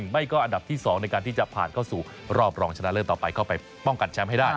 ไม่ก็อันดับที่๒ในการที่จะผ่านเข้าสู่รอบรองชนะเลิศต่อไปเข้าไปป้องกันแชมป์ให้ได้